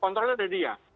kontrolnya dari dia